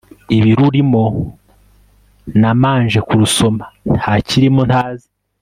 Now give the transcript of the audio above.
ibirurimo namanje kurusoma ntakirimo ntazi